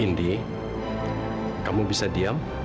indi kamu bisa diam